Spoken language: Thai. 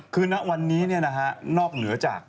คือนักวันนี้น่านอกเหนือจาก